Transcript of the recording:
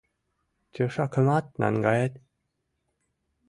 Тӧшакымат наҥгает?